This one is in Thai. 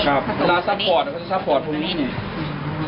ครับเวลาซัพพอร์ตเค้าจะซัพพอร์ตตรงนี้เนี่ย